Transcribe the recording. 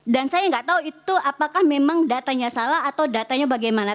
dan saya tidak tahu itu apakah memang datanya salah atau datanya bagaimana